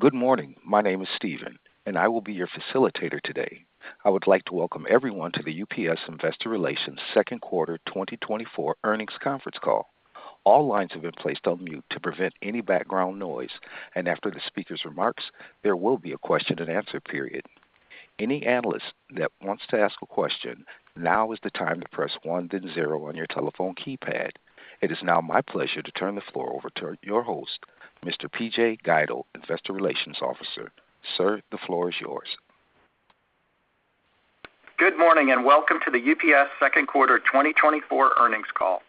Good morning. My name is Steven, and I will be your facilitator today. I would like to welcome everyone to the UPS Investor Relations Second Quarter 2024 Earnings Conference Call. All lines have been placed on mute to prevent any background noise, and after the speaker's remarks, there will be a question-and-answer period. Any analyst that wants to ask a question, now is the time to press one, then zero on your telephone keypad. It is now my pleasure to turn the floor over to your host, Mr. P.J. Guido, Investor Relations Officer. Sir, the floor is yours. Good morning, and welcome to the UPS second quarter 2024 earnings call.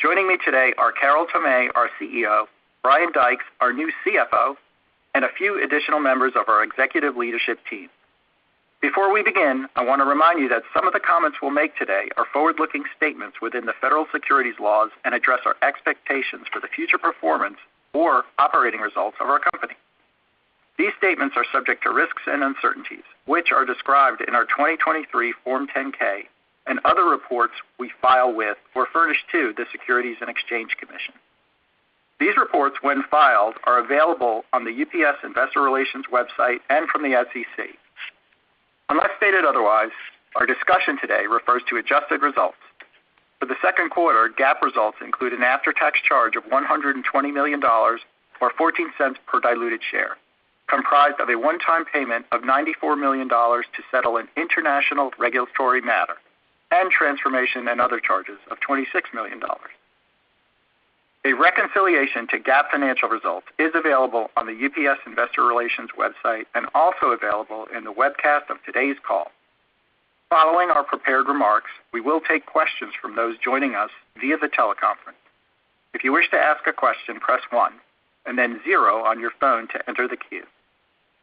Joining me today are Carol Tomé, our CEO, Brian Dykes, our new CFO, and a few additional members of our executive leadership team. Before we begin, I want to remind you that some of the comments we'll make today are forward-looking statements within the federal securities laws and address our expectations for the future performance or operating results of our company. These statements are subject to risks and uncertainties, which are described in our 2023 Form 10-K and other reports we file with or furnish to the Securities and Exchange Commission. These reports, when filed, are available on the UPS Investor Relations website and from the SEC. Unless stated otherwise, our discussion today refers to adjusted results. For the second quarter, GAAP results include an after-tax charge of $120 million, or $0.14 per diluted share, comprised of a one-time payment of $94 million to settle an international regulatory matter and transformation and other charges of $26 million. A reconciliation to GAAP financial results is available on the UPS Investor Relations website and also available in the webcast of today's call. Following our prepared remarks, we will take questions from those joining us via the teleconference. If you wish to ask a question, press one and then zero on your phone to enter the queue.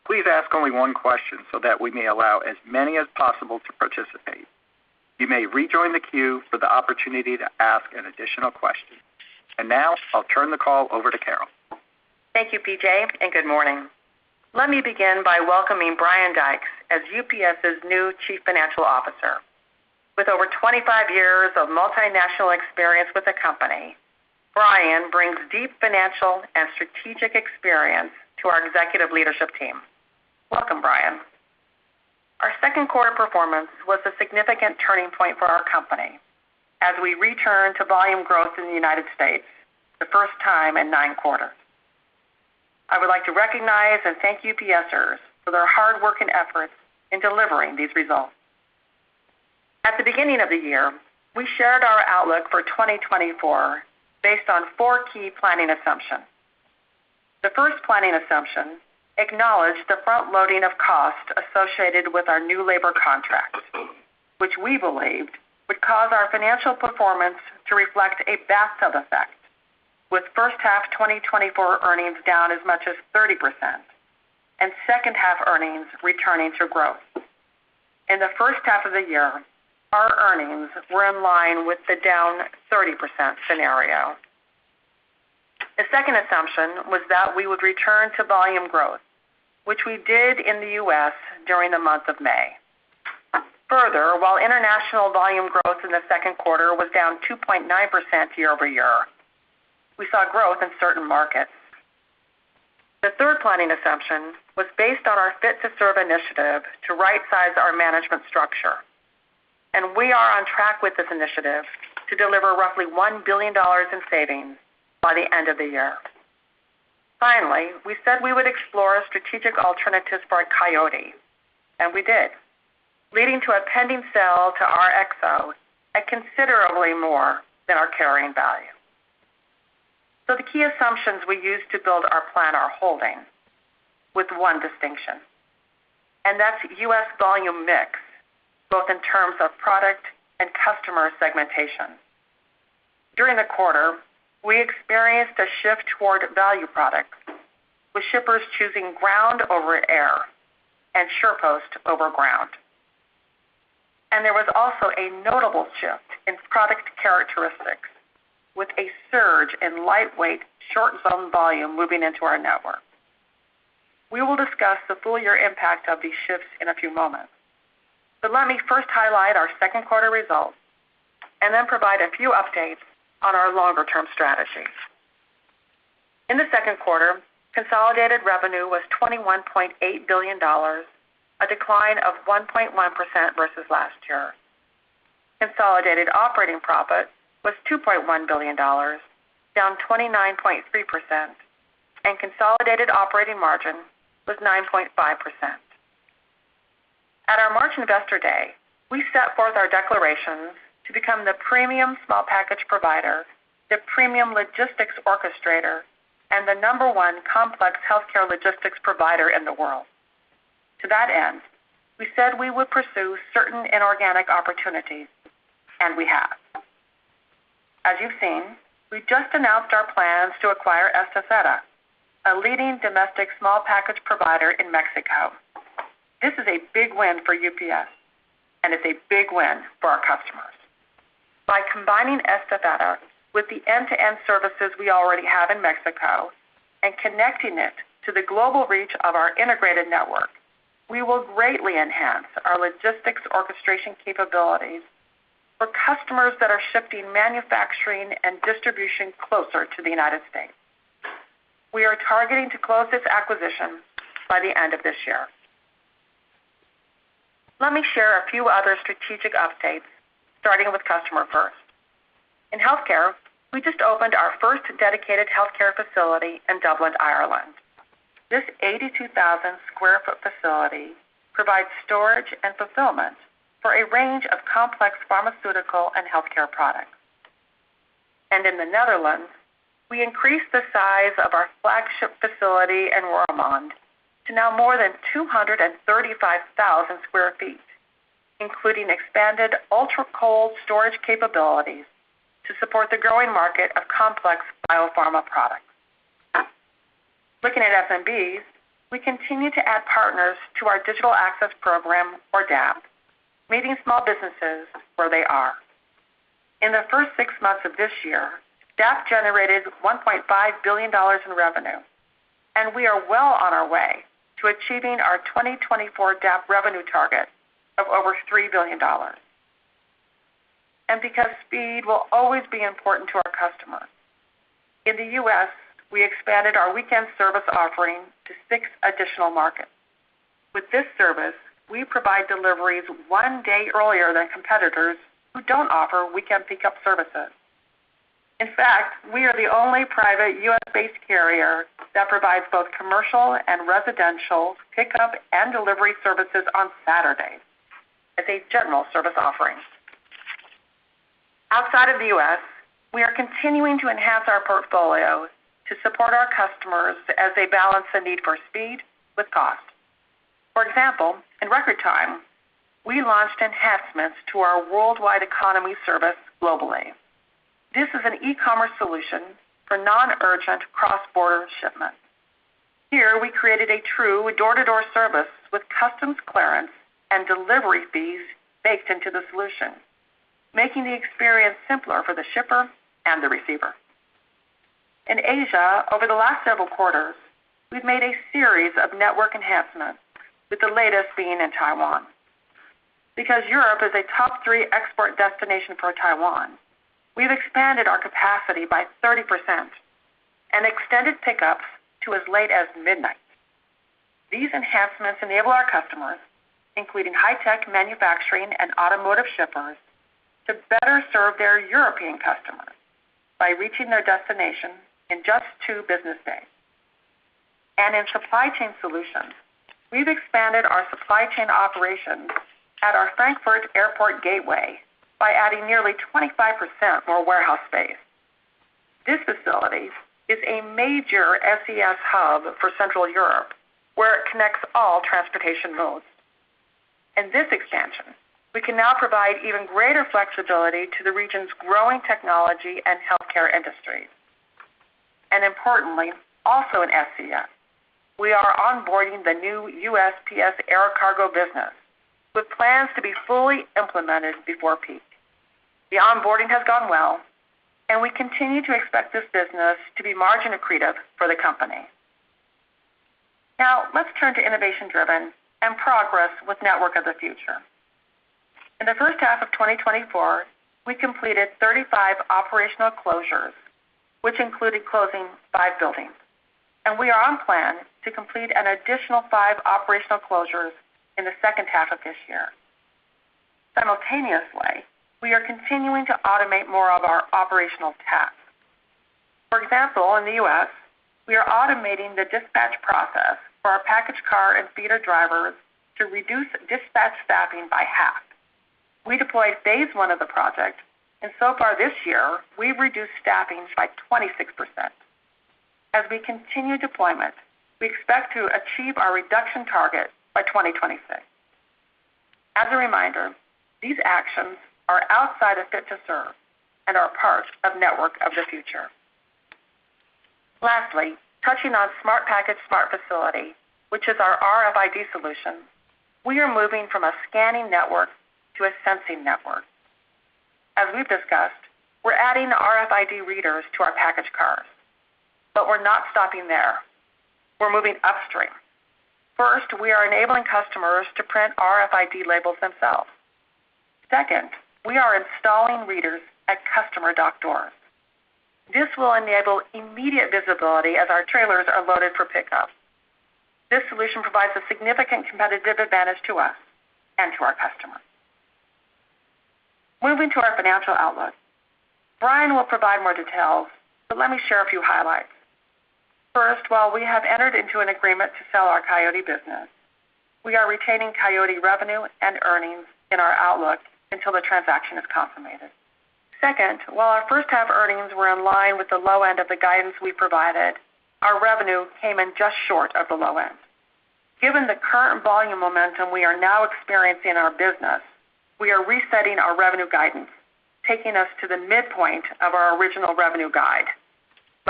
Please ask only one question so that we may allow as many as possible to participate. You may rejoin the queue for the opportunity to ask an additional question. And now I'll turn the call over to Carol. Thank you, P.J., and good morning. Let me begin by welcoming Brian Dykes as UPS's new Chief Financial Officer. With over 25 years of multinational experience with the company, Brian brings deep financial and strategic experience to our executive leadership team. Welcome, Brian. Our second quarter performance was a significant turning point for our company as we return to volume growth in the United States, the first time in 9 quarters. I would like to recognize and thank UPSers for their hard work and efforts in delivering these results. At the beginning of the year, we shared our outlook for 2024 based on four key planning assumptions. The first planning assumption acknowledged the front loading of costs associated with our new labor contract, which we believed would cause our financial performance to reflect a bathtub effect, with first half 2024 earnings down as much as 30% and second-half earnings returning to growth. In the first half of the year, our earnings were in line with the down 30% scenario. The second assumption was that we would return to volume growth, which we did in the U.S. during the month of May. Further, while international volume growth in the second quarter was down 2.9% year-over-year, we saw growth in certain markets. The third planning assumption was based on our Fit to Serve initiative to rightsize our management structure, and we are on track with this initiative to deliver roughly $1 billion in savings by the end of the year. Finally, we said we would explore strategic alternatives for Coyote, and we did, leading to a pending sale to RXO at considerably more than our carrying value. So the key assumptions we used to build our plan are holding with one distinction, and that's U.S. volume mix, both in terms of product and customer segmentation. During the quarter, we experienced a shift toward value products, with shippers choosing ground over air and SurePost over ground. There was also a notable shift in product characteristics, with a surge in lightweight, short-zone volume moving into our network. We will discuss the full year impact of these shifts in a few moments, but let me first highlight our second quarter results and then provide a few updates on our longer-term strategies. In the second quarter, consolidated revenue was $21.8 billion, a decline of 1.1% versus last year. Consolidated operating profit was $2.1 billion, down 29.3%, and consolidated operating margin was 9.5%. At our March Investor Day, we set forth our declarations to become the premium small package provider, the premium logistics orchestrator, and the number one complex healthcare logistics provider in the world. To that end, we said we would pursue certain inorganic opportunities, and we have. As you've seen, we just announced our plans to acquire Estafeta, a leading domestic small package provider in Mexico. This is a big win for UPS, and it's a big win for our customers. By combining Estafeta with the end-to-end services we already have in Mexico and connecting it to the global reach of our integrated network, we will greatly enhance our logistics orchestration capabilities for customers that are shifting manufacturing and distribution closer to the United States. We are targeting to close this acquisition by the end of this year. Let me share a few other strategic updates, starting with Customer First. In healthcare, we just opened our first dedicated healthcare facility in Dublin, Ireland. This 82,000 sq ft facility provides storage and fulfillment for a range of complex pharmaceutical and healthcare products. In the Netherlands, we increased the size of our flagship facility in Roermond to now more than 235,000 sq ft, including expanded ultra-cold storage capabilities to support the growing market of complex biopharma products. Looking at SMBs, we continue to add partners to our Digital Access Program, or DAP, meeting small businesses where they are. In the first six months of this year, DAP generated $1.5 billion in revenue, and we are well on our way to achieving our 2024 DAP revenue target of over $3 billion. Because speed will always be important to our customers, in the U.S., we expanded our weekend service offering to six additional markets. With this service, we provide deliveries 1 day earlier than competitors who don't offer weekend pickup services. In fact, we are the only private U.S.-based carrier that provides both commercial and residential pickup and delivery services on Saturday as a general service offering. Outside of the U.S., we are continuing to enhance our portfolio to support our customers as they balance the need for speed with cost. For example, in record time, we launched enhancements to our Worldwide Economy service globally. This is an e-commerce solution for non-urgent cross-border shipments. Here, we created a true door-to-door service with customs clearance and delivery fees baked into the solution, making the experience simpler for the shipper and the receiver. In Asia, over the last several quarters, we've made a series of network enhancements, with the latest being in Taiwan. Because Europe is a top three export destination for Taiwan, we've expanded our capacity by 30% and extended pickups to as late as midnight. These enhancements enable our customers, including high-tech manufacturing and automotive shippers, to better serve their European customers by reaching their destination in just two business days. In supply chain solutions, we've expanded our supply chain operations at our Frankfurt Airport gateway by adding nearly 25% more warehouse space. This facility is a major SCS hub for Central Europe, where it connects all transportation modes. In this expansion, we can now provide even greater flexibility to the region's growing technology and healthcare industries. Importantly, also in SCS, we are onboarding the new USPS Air Cargo business, with plans to be fully implemented before peak. The onboarding has gone well, and we continue to expect this business to be margin accretive for the company. Now, let's turn to Innovation Driven and progress with Network of the Future. In the first half of 2024, we completed 35 operational closures, which included closing five buildings, and we are on plan to complete an additional five operational closures in the second half of this year. Simultaneously, we are continuing to automate more of our operational tasks. For example, in the U.S., we are automating the dispatch process for our package car and feeder drivers to reduce dispatch staffing by half. We deployed phase one of the project, and so far this year, we've reduced staffing by 26%. As we continue deployment, we expect to achieve our reduction target by 2026. As a reminder, these actions are outside of Fit to Serve and are part of Network of the Future. Lastly, touching on Smart Package, Smart Facility, which is our RFID solution, we are moving from a scanning network to a sensing network. As we've discussed, we're adding RFID readers to our package cars, but we're not stopping there. We're moving upstream. First, we are enabling customers to print RFID labels themselves. Second, we are installing readers at customer dock doors. This will enable immediate visibility as our trailers are loaded for pickup. This solution provides a significant competitive advantage to us and to our customers. Moving to our financial outlook. Brian will provide more details, but let me share a few highlights. First, while we have entered into an agreement to sell our Coyote business, we are retaining Coyote revenue and earnings in our outlook until the transaction is consummated. Second, while our first half earnings were in line with the low end of the guidance we provided, our revenue came in just short of the low end. Given the current volume momentum we are now experiencing in our business, we are resetting our revenue guidance, taking us to the midpoint of our original revenue guide.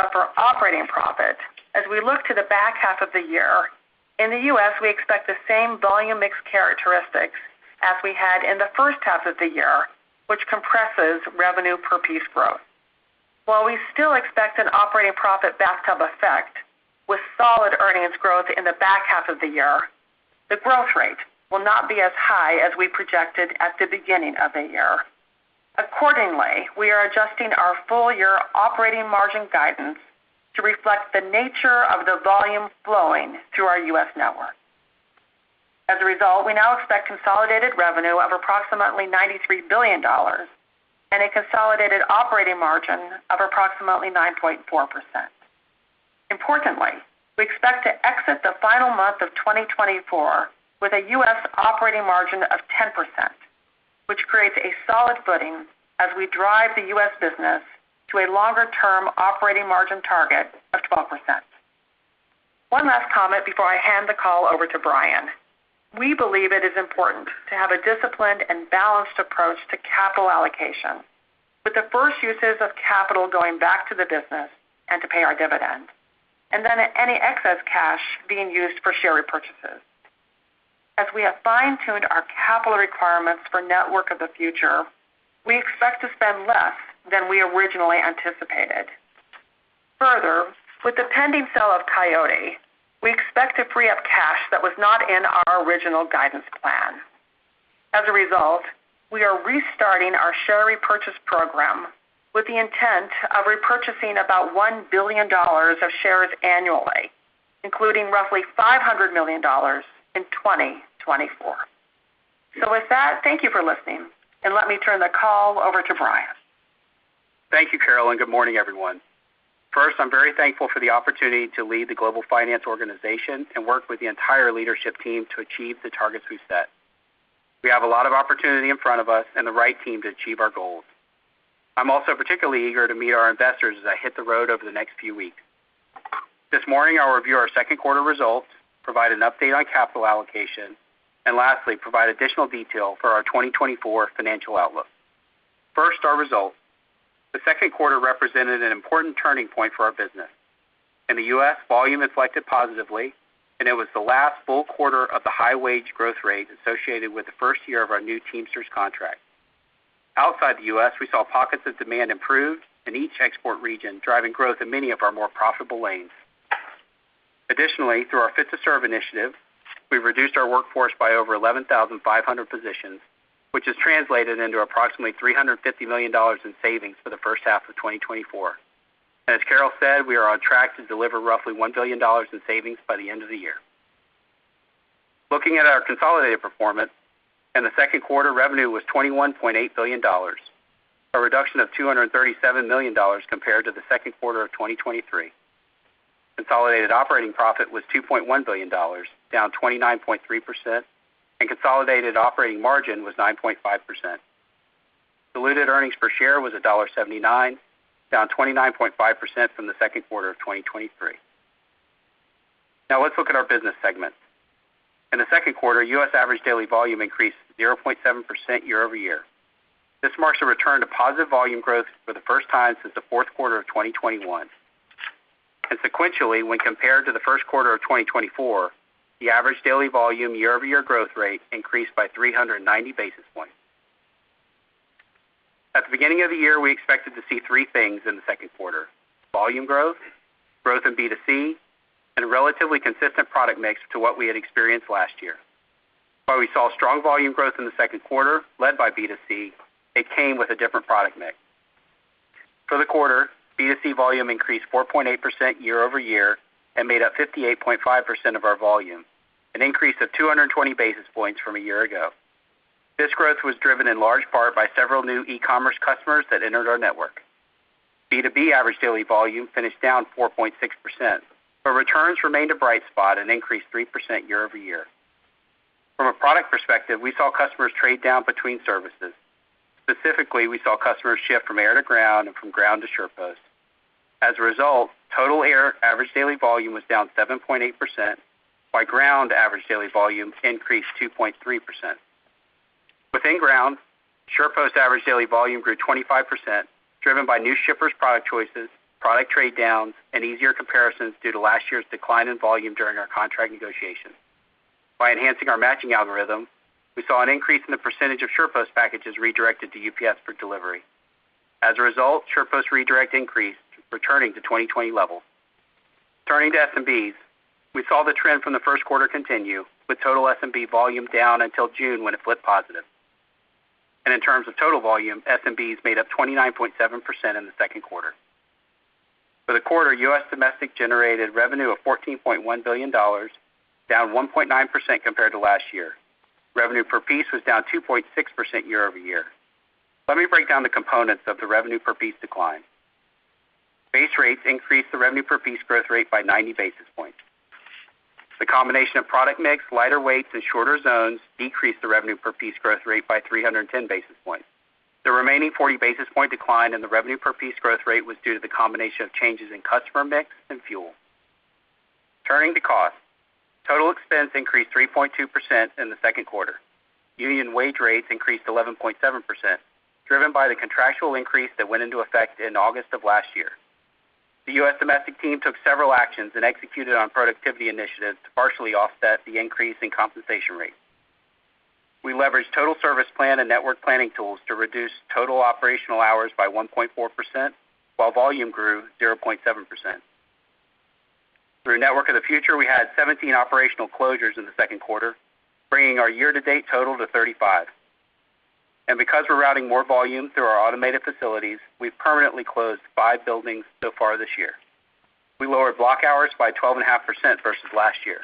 But for operating profit, as we look to the back half of the year, in the U.S., we expect the same volume mix characteristics as we had in the first half of the year, which compresses revenue per piece growth. While we still expect an operating profit bathtub effect, earnings growth in the back half of the year, the growth rate will not be as high as we projected at the beginning of the year. Accordingly, we are adjusting our full year operating margin guidance to reflect the nature of the volume flowing through our U.S. network. As a result, we now expect consolidated revenue of approximately $93 billion and a consolidated operating margin of approximately 9.4%. Importantly, we expect to exit the final month of 2024 with a U.S. operating margin of 10%, which creates a solid footing as we drive the U.S. business to a longer-term operating margin target of 12%. One last comment before I hand the call over to Brian. We believe it is important to have a disciplined and balanced approach to capital allocation, with the first uses of capital going back to the business and to pay our dividend, and then any excess cash being used for share repurchases. As we have fine-tuned our capital requirements for Network of the Future, we expect to spend less than we originally anticipated. Further, with the pending sale of Coyote, we expect to free up cash that was not in our original guidance plan. As a result, we are restarting our share repurchase program with the intent of repurchasing about $1 billion of shares annually, including roughly $500 million in 2024. So with that, thank you for listening, and let me turn the call over to Brian. Thank you, Carol, and good morning, everyone. First, I'm very thankful for the opportunity to lead the global finance organization and work with the entire leadership team to achieve the targets we set. We have a lot of opportunity in front of us and the right team to achieve our goals. I'm also particularly eager to meet our investors as I hit the road over the next few weeks. This morning, I'll review our second quarter results, provide an update on capital allocation, and lastly, provide additional detail for our 2024 financial outlook. First, our results. The second quarter represented an important turning point for our business. In the U.S., volume reflected positively, and it was the last full quarter of the high wage growth rate associated with the first year of our new Teamsters contract. Outside the U.S., we saw pockets of demand improved in each export region, driving growth in many of our more profitable lanes. Additionally, through our Fit to Serve initiative, we've reduced our workforce by over 11,500 positions, which has translated into approximately $350 million in savings for the first half of 2024. As Carol said, we are on track to deliver roughly $1 billion in savings by the end of the year. Looking at our consolidated performance, in the second quarter, revenue was $21.8 billion, a reduction of $237 million compared to the second quarter of 2023. Consolidated operating profit was $2.1 billion, down 29.3%, and consolidated operating margin was 9.5%. Diluted earnings per share was $1.79, down 29.5% from the second quarter of 2023. Now, let's look at our business segments. In the second quarter, U.S. average daily volume increased 0.7% year-over-year. This marks a return to positive volume growth for the first time since the fourth quarter of 2021. Consequentially, when compared to the first quarter of 2024, the average daily volume year-over-year growth rate increased by 390 basis points. At the beginning of the year, we expected to see three things in the second quarter: volume growth, growth in B2C, and a relatively consistent product mix to what we had experienced last year. While we saw strong volume growth in the second quarter, led by B2C, it came with a different product mix. For the quarter, B2C volume increased 4.8% year-over-year and made up 58.5% of our volume, an increase of 220 basis points from a year ago. This growth was driven in large part by several new e-commerce customers that entered our network. B2B average daily volume finished down 4.6%, but returns remained a bright spot and increased 3% year-over-year. From a product perspective, we saw customers trade down between services. Specifically, we saw customers shift from air to ground and from ground to SurePost. As a result, total air average daily volume was down 7.8%, while ground average daily volume increased 2.3%. Within ground, SurePost average daily volume grew 25%, driven by new shippers product choices, product trade downs, and easier comparisons due to last year's decline in volume during our contract negotiations. By enhancing our matching algorithm, we saw an increase in the percentage of SurePost packages redirected to UPS for delivery. As a result, SurePost redirect increased, returning to 2020 levels. Turning to SMBs, we saw the trend from the first quarter continue, with total SMB volume down until June, when it flipped positive. And in terms of total volume, SMBs made up 29.7% in the second quarter. For the quarter, U.S. domestic generated revenue of $14.1 billion, down 1.9% compared to last year. Revenue per piece was down 2.6% year-over-year. Let me break down the components of the revenue per piece decline. Base rates increased the revenue per piece growth rate by 90 basis points. The combination of product mix, lighter weights, and shorter zones decreased the revenue per piece growth rate by 310 basis points. The remaining 40 basis point decline in the revenue per piece growth rate was due to the combination of changes in customer mix and fuel. Turning to cost, total expense increased 3.2% in the second quarter. Union wage rates increased 11.7%, driven by the contractual increase that went into effect in August of last year. The U.S. domestic team took several actions and executed on productivity initiatives to partially offset the increase in compensation rates.... We leveraged Total Service Plan and network planning tools to reduce total operational hours by 1.4%, while volume grew 0.7%. Through Network of the Future, we had 17 operational closures in the second quarter, bringing our year-to-date total to 35. Because we're routing more volume through our automated facilities, we've permanently closed five buildings so far this year. We lowered block hours by 12.5% versus last year,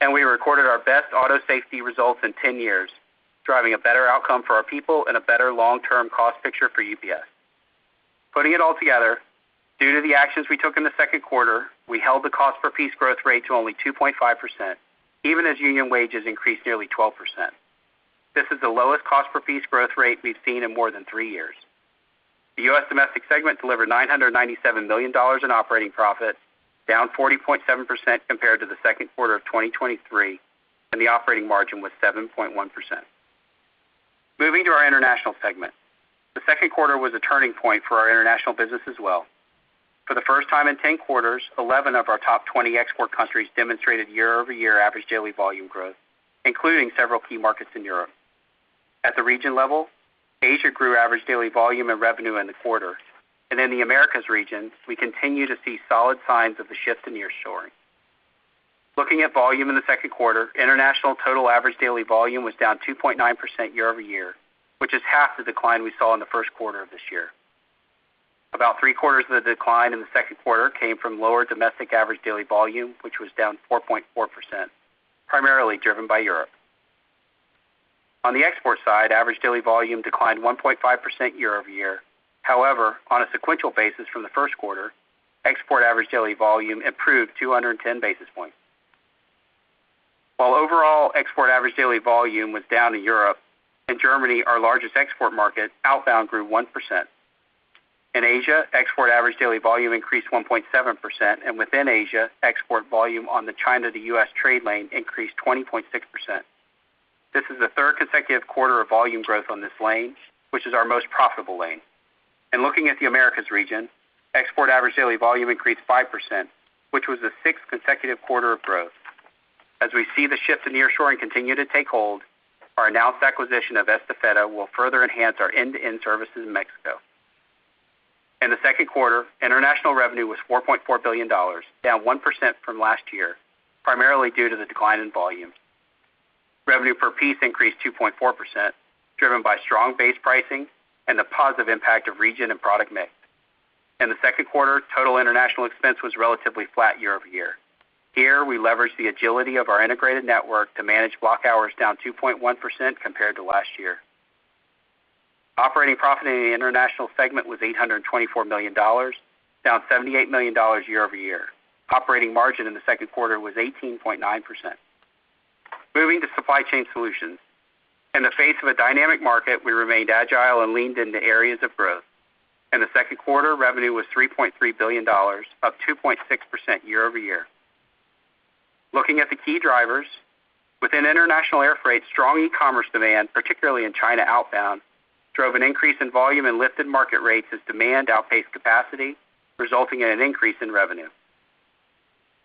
and we recorded our best auto safety results in 10 years, driving a better outcome for our people and a better long-term cost picture for UPS. Putting it all together, due to the actions we took in the second quarter, we held the cost per piece growth rate to only 2.5%, even as union wages increased nearly 12%. This is the lowest cost per piece growth rate we've seen in more than three years. The U.S. domestic segment delivered $997 million in operating profit, down 40.7% compared to the second quarter of 2023, and the operating margin was 7.1%. Moving to our international segment. The second quarter was a turning point for our international business as well. For the first time in 10 quarters, 11 of our top 20 export countries demonstrated year-over-year average daily volume growth, including several key markets in Europe. At the region level, Asia grew average daily volume and revenue in the quarter, and in the Americas region, we continue to see solid signs of the shift in nearshoring. Looking at volume in the second quarter, international total average daily volume was down 2.9% year-over-year, which is half the decline we saw in the first quarter of this year. About three-quarters of the decline in the second quarter came from lower domestic average daily volume, which was down 4.4%, primarily driven by Europe. On the export side, average daily volume declined 1.5% year-over-year. However, on a sequential basis from the first quarter, export average daily volume improved 210 basis points. While overall export average daily volume was down in Europe, in Germany, our largest export market, outbound grew 1%. In Asia, export average daily volume increased 1.7%, and within Asia, export volume on the China to U.S trade lane increased 20.6%. This is the third consecutive quarter of volume growth on this lane, which is our most profitable lane. Looking at the Americas region, export average daily volume increased 5%, which was the sixth consecutive quarter of growth. As we see the shift to nearshoring continue to take hold, our announced acquisition of Estafeta will further enhance our end-to-end services in Mexico. In the second quarter, international revenue was $4.4 billion, down 1% from last year, primarily due to the decline in volume. Revenue per piece increased 2.4%, driven by strong base pricing and the positive impact of region and product mix. In the second quarter, total international expense was relatively flat year-over-year. Here, we leveraged the agility of our integrated network to manage block hours down 2.1% compared to last year. Operating profit in the international segment was $824 million, down $78 million year-over-year. Operating margin in the second quarter was 18.9%. Moving to Supply Chain Solutions. In the face of a dynamic market, we remained agile and leaned into areas of growth. In the second quarter, revenue was $3.3 billion, up 2.6% year-over-year. Looking at the key drivers, within international air freight, strong e-commerce demand, particularly in China outbound, drove an increase in volume and lifted market rates as demand outpaced capacity, resulting in an increase in revenue.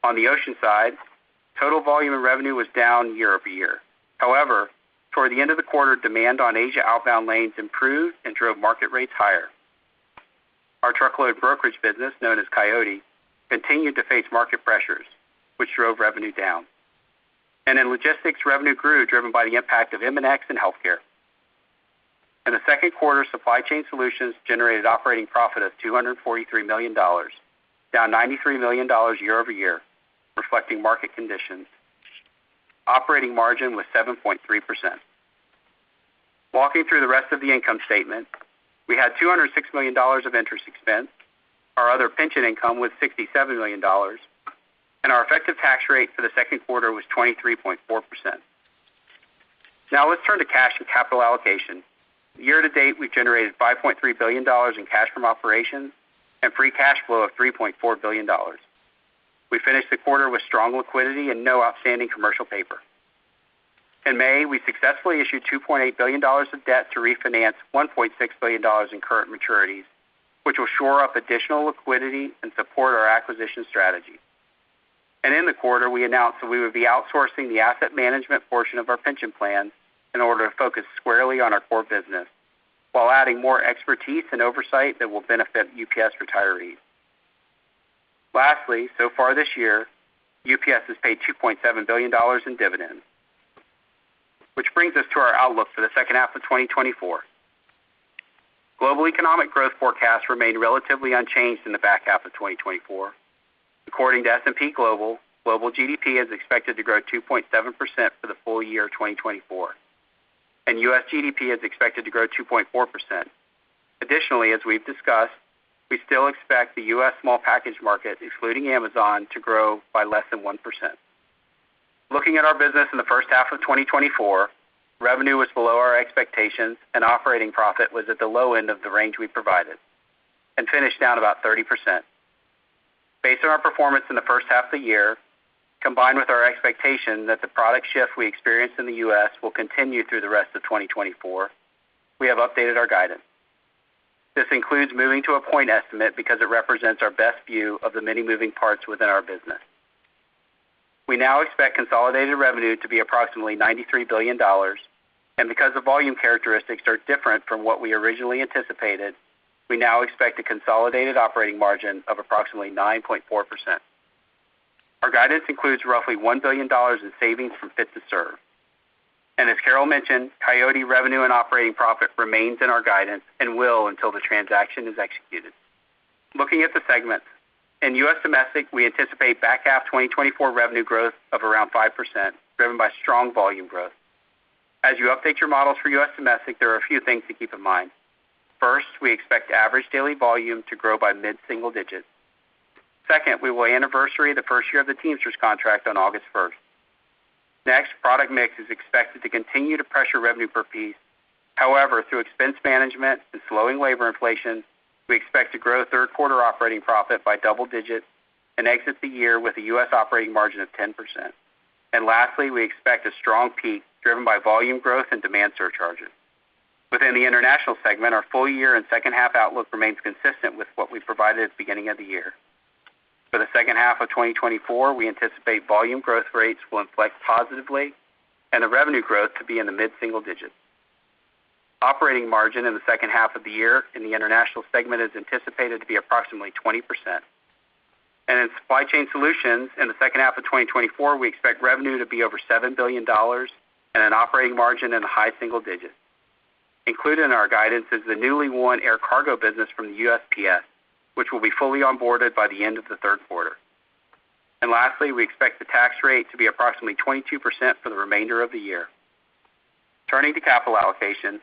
On the ocean side, total volume and revenue was down year-over-year. However, toward the end of the quarter, demand on Asia outbound lanes improved and drove market rates higher. Our truckload brokerage business, known as Coyote, continued to face market pressures, which drove revenue down. In logistics, revenue grew, driven by the impact of MNX and healthcare. In the second quarter, Supply Chain Solutions generated operating profit of $243 million, down $93 million year-over-year, reflecting market conditions. Operating margin was 7.3%. Walking through the rest of the income statement, we had $206 million of interest expense. Our other pension income was $67 million, and our effective tax rate for the second quarter was 23.4%. Now let's turn to cash and capital allocation. Year to date, we've generated $5.3 billion in cash from operations and free cash flow of $3.4 billion. We finished the quarter with strong liquidity and no outstanding commercial paper. In May, we successfully issued $2.8 billion of debt to refinance $1.6 billion in current maturities, which will shore up additional liquidity and support our acquisition strategy. In the quarter, we announced that we would be outsourcing the asset management portion of our pension plan in order to focus squarely on our core business, while adding more expertise and oversight that will benefit UPS retirees. Lastly, so far this year, UPS has paid $2.7 billion in dividends, which brings us to our outlook for the second half of 2024. Global economic growth forecasts remain relatively unchanged in the back half of 2024. According to S&P Global, global GDP is expected to grow 2.7% for the full year of 2024, and U.S. GDP is expected to grow 2.4%. Additionally, as we've discussed, we still expect the U.S. small package market, excluding Amazon, to grow by less than 1%. Looking at our business in the first half of 2024, revenue was below our expectations and operating profit was at the low end of the range we provided and finished down about 30%. Based on our performance in the first half of the year, combined with our expectation that the product shift we experienced in the U.S. will continue through the rest of 2024, we have updated our guidance. This includes moving to a point estimate because it represents our best view of the many moving parts within our business. We now expect consolidated revenue to be approximately $93 billion, and because the volume characteristics are different from what we originally anticipated, we now expect a consolidated operating margin of approximately 9.4%. Our guidance includes roughly $1 billion in savings from Fit to Serve. As Carol mentioned, Coyote revenue and operating profit remains in our guidance and will until the transaction is executed. Looking at the segments, in U.S. Domestic, we anticipate back half 2024 revenue growth of around 5%, driven by strong volume growth. As you update your models for U.S. Domestic, there are a few things to keep in mind. First, we expect average daily volume to grow by mid-single digits. Second, we will anniversary the first year of the Teamsters contract on August 1st. Next, product mix is expected to continue to pressure revenue per piece. However, through expense management and slowing labor inflation, we expect to grow third quarter operating profit by double digits and exit the year with a U.S. operating margin of 10%. Lastly, we expect a strong peak driven by volume growth and demand surcharges. Within the International segment, our full year and second half outlook remains consistent with what we provided at the beginning of the year. For the second half of 2024, we anticipate volume growth rates will inflect positively and the revenue growth to be in the mid-single digits. Operating margin in the second half of the year in the International segment is anticipated to be approximately 20%. In Supply Chain Solutions, in the second half of 2024, we expect revenue to be over $7 billion and an operating margin in the high single digits. Included in our guidance is the newly won air cargo business from the USPS, which will be fully onboarded by the end of the third quarter. Lastly, we expect the tax rate to be approximately 22% for the remainder of the year. Turning to capital allocation,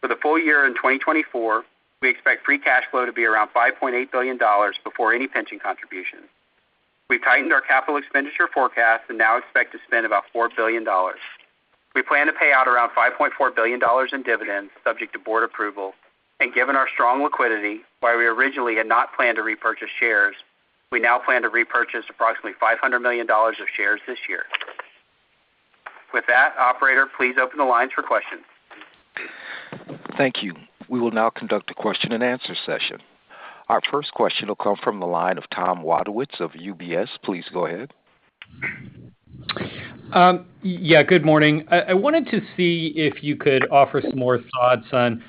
for the full year in 2024, we expect free cash flow to be around $5.8 billion before any pension contribution. We've tightened our capital expenditure forecast and now expect to spend about $4 billion. We plan to pay out around $5.4 billion in dividends, subject to board approval, and given our strong liquidity, while we originally had not planned to repurchase shares, we now plan to repurchase approximately $500 million of shares this year. With that, operator, please open the lines for questions. Thank you. We will now conduct a question-and-answer session. Our first question will come from the line of Tom Wadewitz of UBS. Please go ahead. Yeah, good morning. I wanted to see if you could offer some more thoughts on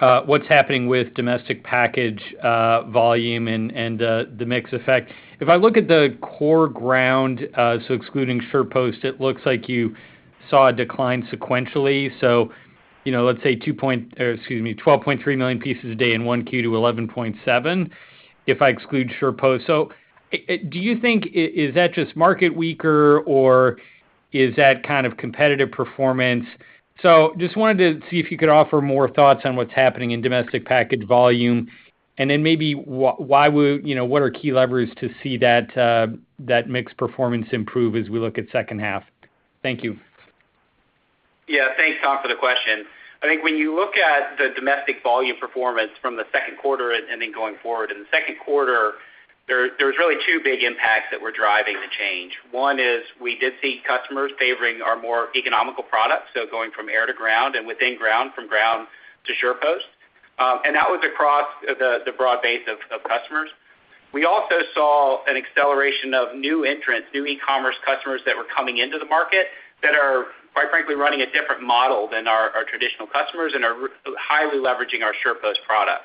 what's happening with domestic package volume and the mix effect. If I look at the core ground, so excluding SurePost, it looks like you saw a decline sequentially. So, you know, let's say, or excuse me, 12.3 million pieces a day in 1Q to 11.7, if I exclude SurePost. So do you think, is that just market weaker, or is that kind of competitive performance? So just wanted to see if you could offer more thoughts on what's happening in domestic package volume, and then maybe why would, you know, what are key levers to see that mix performance improve as we look at second half? Thank you. Yeah, thanks, Tom, for the question. I think when you look at the domestic volume performance from the second quarter and then going forward, in the second quarter, there was really two big impacts that were driving the change. One is we did see customers favoring our more economical products, so going from air to ground and within ground, from ground to SurePost. And that was across the broad base of customers. We also saw an acceleration of new entrants, new e-commerce customers that were coming into the market that are, quite frankly, running a different model than our traditional customers and are highly leveraging our SurePost product.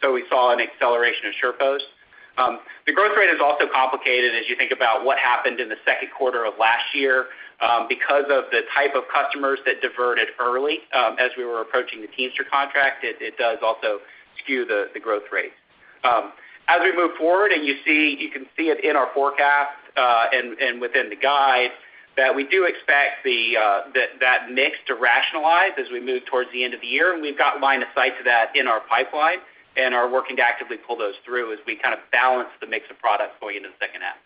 So we saw an acceleration of SurePost. The growth rate is also complicated as you think about what happened in the second quarter of last year, because of the type of customers that diverted early, as we were approaching the Teamster contract. It does also skew the growth rate. As we move forward, and you see, you can see it in our forecast, and within the guide, that we do expect that mix to rationalize as we move towards the end of the year. And we've got line of sight to that in our pipeline and are working to actively pull those through as we kind of balance the mix of products going into the second half.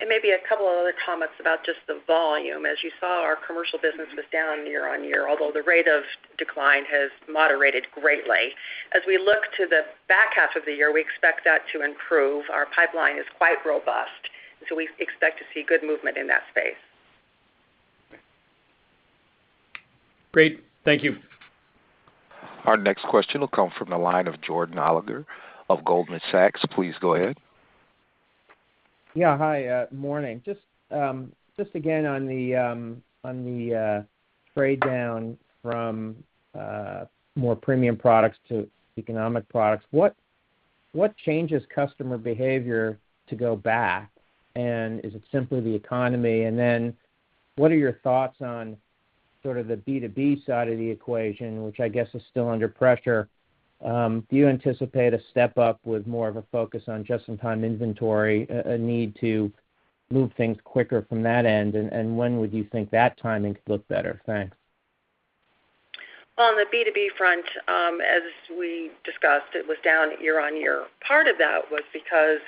Maybe a couple of other comments about just the volume. As you saw, our commercial business was down year-over-year, although the rate of decline has moderated greatly. As we look to the back half of the year, we expect that to improve. Our pipeline is quite robust, so we expect to see good movement in that space. Great. Thank you. Our next question will come from the line of Jordan Alliger of Goldman Sachs. Please go ahead. Yeah. Hi, morning. Just again on the trade down from more premium products to economic products, what changes customer behavior to go back, and is it simply the economy? And then what are your thoughts on sort of the B2B side of the equation, which I guess is still under pressure? Do you anticipate a step up with more of a focus on just-in-time inventory, a need to move things quicker from that end? And when would you think that timing could look better? Thanks. ...On the B2B front, as we discussed, it was down year-on-year. Part of that was because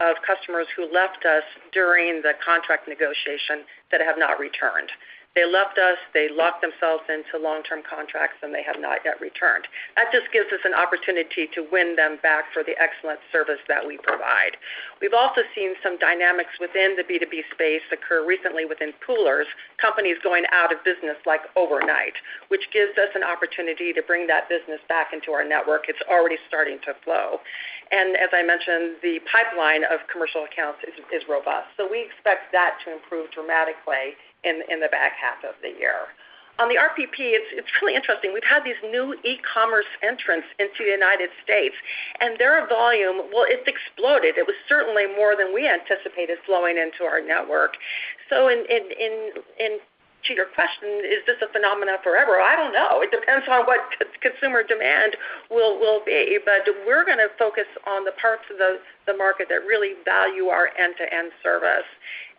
of customers who left us during the contract negotiation that have not returned. They left us, they locked themselves into long-term contracts, and they have not yet returned. That just gives us an opportunity to win them back for the excellent service that we provide. We've also seen some dynamics within the B2B space occur recently within carriers, companies going out of business like overnight, which gives us an opportunity to bring that business back into our network. It's already starting to flow. And as I mentioned, the pipeline of commercial accounts is robust. So we expect that to improve dramatically in the back half of the year. On the RPP, it's really interesting. We've had these new e-commerce entrants into the United States, and their volume, well, it's exploded. It was certainly more than we anticipated flowing into our network. So in and to your question, is this a phenomenon forever? I don't know. It depends on what consumer demand will be, but we're gonna focus on the parts of the market that really value our end-to-end service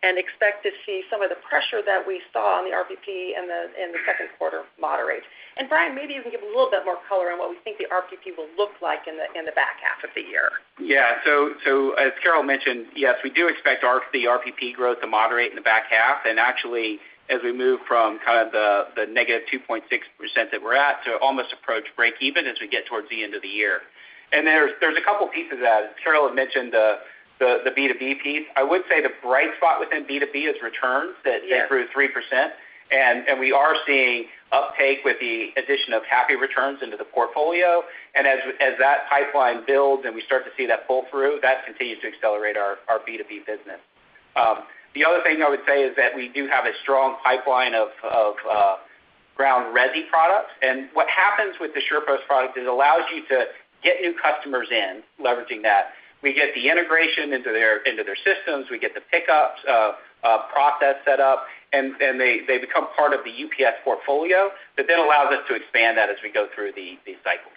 and expect to see some of the pressure that we saw on the RPP in the second quarter moderate. And Brian, maybe you can give a little bit more color on what we think the RPP will look like in the back half of the year. Yeah. So as Carol mentioned, yes, we do expect our—the RPP growth to moderate in the back half. And actually, as we move from kind of the, the -2.6% that we're at to almost approach breakeven as we get towards the end of the year. And there's, there's a couple pieces that Carol had mentioned, the, the B2B piece. I would say the bright spot within B2B is returns that— Yes They grew 3%, and we are seeing uptake with the addition of Happy Returns into the portfolio. And as that pipeline builds and we start to see that pull through, that continues to accelerate our B2B business. The other thing I would say is that we do have a strong pipeline of ground resi products. And what happens with the SurePost product is it allows you to get new customers in, leveraging that. We get the integration into their systems, we get the pickups process set up, and they become part of the UPS portfolio. That then allows us to expand that as we go through the cycles.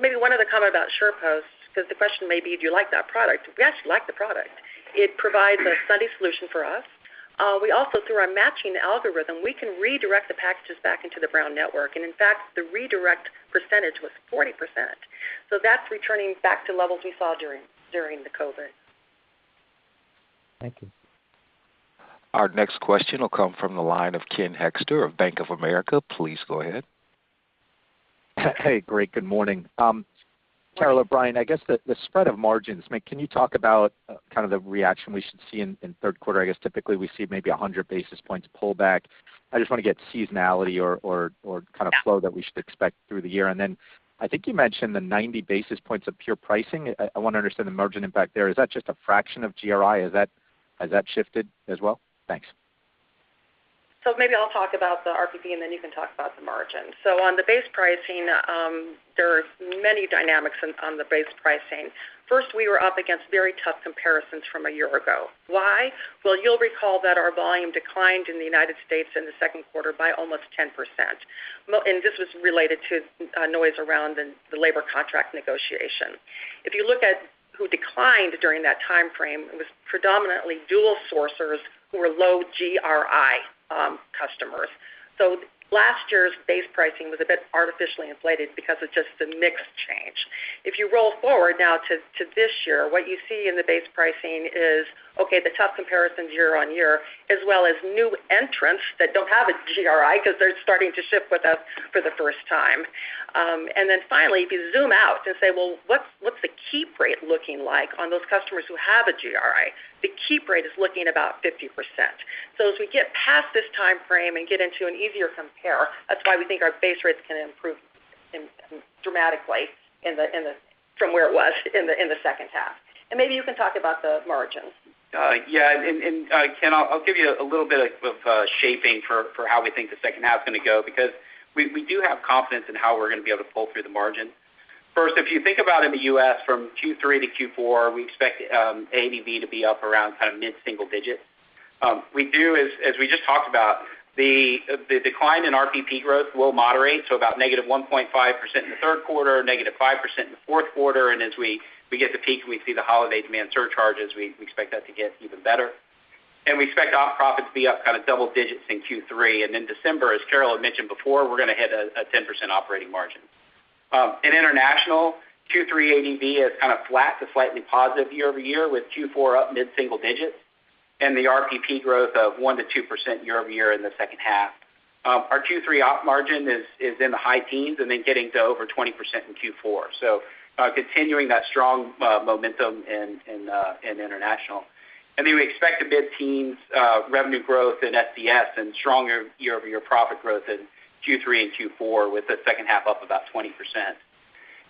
Maybe one other comment about SurePost, because the question may be, do you like that product? We actually like the product. It provides a scalable solution for us. We also, through our matching algorithm, we can redirect the packages back into the Brown network, and in fact, the redirect percentage was 40%. So that's returning back to levels we saw during the COVID. Thank you. Our next question will come from the line of Ken Hoexter of Bank of America. Please go ahead. Hey, great. Good morning. Carol or Brian, I guess the spread of margins, I mean, can you talk about kind of the reaction we should see in third quarter? I guess typically we see maybe 100 basis points pullback. I just want to get seasonality or kind of flow that we should expect through the year. And then I think you mentioned the 90 basis points of pure pricing. I want to understand the margin impact there. Is that just a fraction of GRI? Is that—has that shifted as well? Thanks. So maybe I'll talk about the RPP, and then you can talk about the margin. So on the base pricing, there are many dynamics on the base pricing. First, we were up against very tough comparisons from a year ago. Why? Well, you'll recall that our volume declined in the United States in the second quarter by almost 10%. Well, and this was related to noise around the labor contract negotiation. If you look at who declined during that time frame, it was predominantly dual sourcers who were low GRI customers. So last year's base pricing was a bit artificially inflated because of just the mix change. If you roll forward now to this year, what you see in the base pricing is, okay, the tough comparisons year on year, as well as new entrants that don't have a GRI because they're starting to ship with us for the first time. And then finally, if you zoom out and say, "Well, what's the keep rate looking like on those customers who have a GRI?" The keep rate is looking about 50%. So as we get past this time frame and get into an easier compare, that's why we think our base rates can improve dramatically in the second half from where it was in the second half. And maybe you can talk about the margins. Yeah, and, Ken, I'll give you a little bit of shaping for how we think the second half is going to go, because we do have confidence in how we're going to be able to pull through the margin. First, if you think about in the U.S. from Q3 to Q4, we expect ADV to be up around kind of mid-single digit. We do as we just talked about, the decline in RPP growth will moderate, so about -1.5% in the third quarter, -5% in the fourth quarter. And as we get to peak, and we see the holiday demand surcharges, we expect that to get even better. And we expect op profits to be up kind of double digits in Q3. And then December, as Carol had mentioned before, we're going to hit a 10% operating margin. In international, Q3 ADV is kind of flat to slightly positive year-over-year, with Q4 up mid-single digits, and the RPP growth of 1%-2% year-over-year in the second half. Our Q3 op margin is in the high teens and then getting to over 20% in Q4. So, continuing that strong momentum in international. And then we expect a mid-teens revenue growth in SBS and stronger year-over-year profit growth in Q3 and Q4, with the second half up about 20%.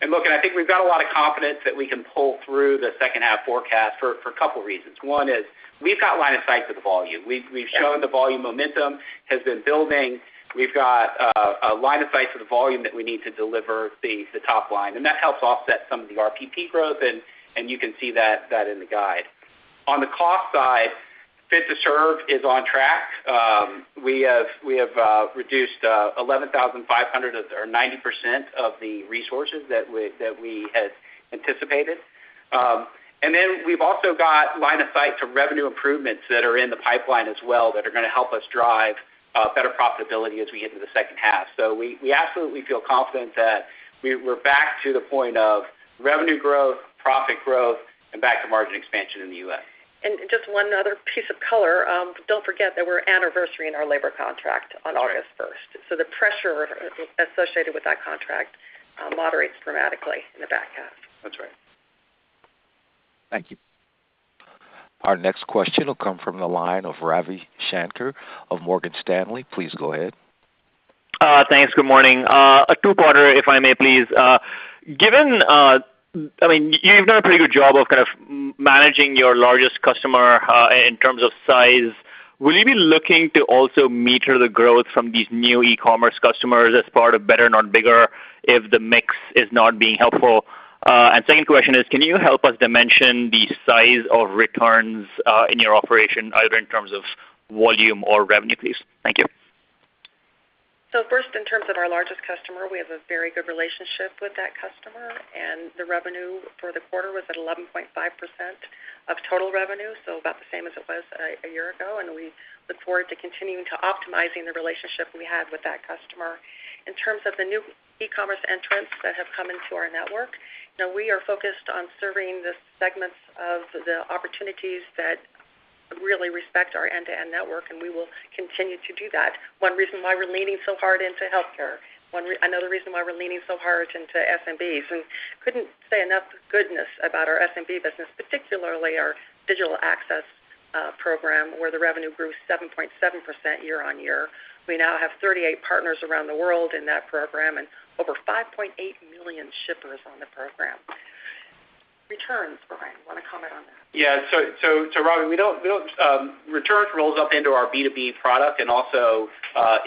And look, and I think we've got a lot of confidence that we can pull through the second half forecast for a couple reasons. One is we've got line of sight to the volume. We've shown the volume momentum has been building. We've got a line of sight to the volume that we need to deliver the top line, and that helps offset some of the RPP growth, and you can see that in the guide. On the cost side, Fit to Serve is on track. We have reduced 11,500 or 90% of the resources that we had anticipated. And then we've also got line of sight to revenue improvements that are in the pipeline as well, that are gonna help us drive better profitability as we get into the second half. So we absolutely feel confident that we're back to the point of revenue growth, profit growth, and back to margin expansion in the U.S. And just one other piece of color. Don't forget that we're anniversary in our labor contract on August 1st. So the pressure associated with that contract moderates dramatically in the back half. That's right. Thank you. Our next question will come from the line of Ravi Shanker of Morgan Stanley. Please go ahead. Thanks. Good morning. A two-parter, if I may please. Given, I mean, you've done a pretty good job of kind of managing your largest customer in terms of size. Will you be looking to also meter the growth from these new e-commerce customers as part of Better not Bigger, if the mix is not being helpful? And second question is, can you help us dimension the size of returns in your operation, either in terms of volume or revenue, please? Thank you. So first, in terms of our largest customer, we have a very good relationship with that customer, and the revenue for the quarter was at 11.5% of total revenue, so about the same as it was a year ago, and we look forward to continuing to optimizing the relationship we have with that customer. In terms of the new e-commerce entrants that have come into our network, now we are focused on serving the segments of the opportunities that really respect our end-to-end network, and we will continue to do that. One reason why we're leaning so hard into healthcare. Another reason why we're leaning so hard into SMBs, and couldn't say enough goodness about our SMB business, particularly our Digital Access Program, where the revenue grew 7.7% year-on-year. We now have 38 partners around the world in that program and over 5.8 million shippers on the program. Returns, Brian, you wanna comment on that? Yeah, so Ravi, returns rolls up into our B2B product and also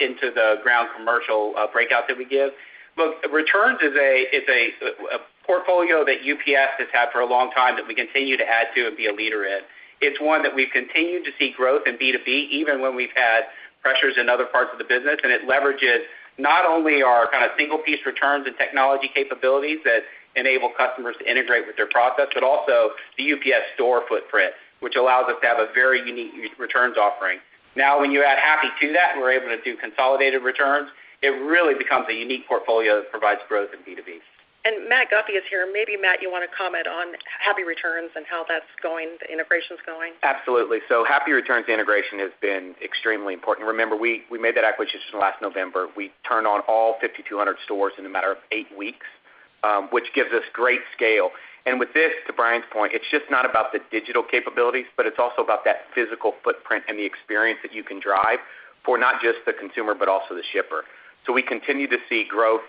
into the ground commercial breakout that we give. Look, returns is a portfolio that UPS has had for a long time, that we continue to add to and be a leader in. It's one that we've continued to see growth in B2B, even when we've had pressures in other parts of the business, and it leverages not only our kind of single piece returns and technology capabilities that enable customers to integrate with their process, but also the UPS Store footprint, which allows us to have a very unique re-returns offering. Now, when you add Happy to that, and we're able to do consolidated returns, it really becomes a unique portfolio that provides growth in B2B. Matt Guffey is here. Maybe Matt, you wanna comment on Happy Returns and how that's going, the integration's going? Absolutely. So Happy Returns integration has been extremely important. Remember, we made that acquisition last November. We turned on all 5,200 stores in a matter of eight weeks, which gives us great scale. And with this, to Brian's point, it's just not about the digital capabilities, but it's also about that physical footprint and the experience that you can drive for not just the consumer, but also the shipper. So we continue to see growth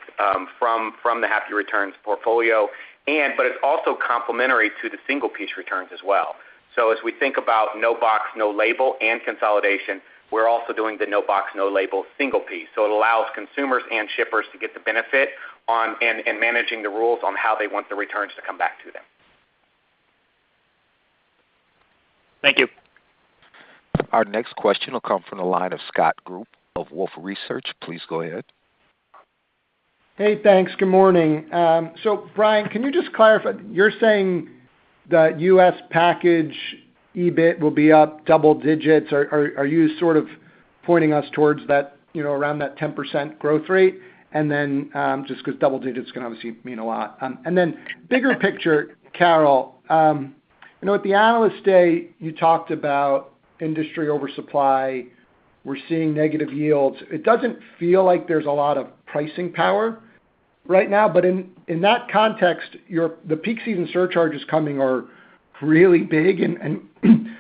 from the Happy Returns portfolio, but it's also complementary to the single piece returns as well. So as we think about no box, no label and consolidation, we're also doing the no box, no label, single piece. So it allows consumers and shippers to get the benefit on and managing the rules on how they want the returns to come back to them. Thank you. Our next question will come from the line of Scott Group of Wolfe Research. Please go ahead. Hey, thanks. Good morning. So Brian, can you just clarify, you're saying the U.S. package EBIT will be up double digits? Or, are you sort of pointing us towards that, you know, around that 10% growth rate? And then, just 'cause double digits can obviously mean a lot. And then bigger picture, Carol, you know, at the Analyst Day, you talked about industry oversupply. We're seeing negative yields. It doesn't feel like there's a lot of pricing power right now, but in that context, your the peak season surcharges coming are really big, and